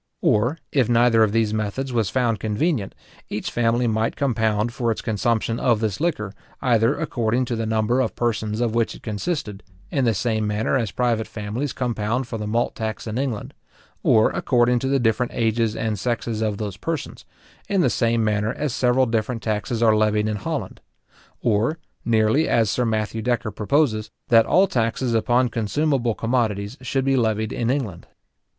Or, if neither of these methods was found convenient, each family might compound for its consumption of this liquor, either according to the number of persons of which it consisted, in the same manner as private families compound for the malt tax in England; or according to the different ages and sexes of those persons, in the same manner as several different taxes are levied in Holland; or, nearly as Sir Matthew Decker proposes, that all taxes upon consumable commodities should be levied in England.